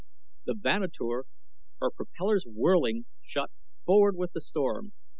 The Vanator, her propellors whirling, shot forward with the storm.